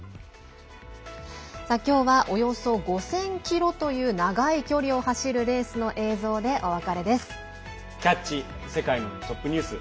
今日はおよそ５０００ｋｍという長い距離を走るレースの映像で「キャッチ！世界のトップニュース」。